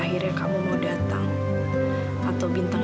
terus kamu mau apa